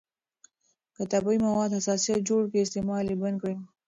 که طبیعي مواد حساسیت جوړ کړي، استعمال یې بند کړئ.